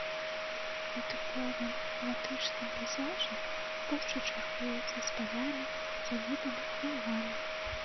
У тыповым латышскім пейзажы, пушчы чаргуецца з палямі, сядзібамі і лугамі.